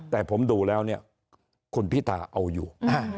แต่ผมดูแล้วเนี่ยคุณพิธาเอาอยู่